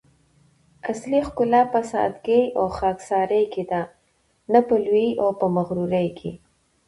اصلي ښکلا په سادګي او خاکساري کی ده؛ نه په لويي او مغروري کي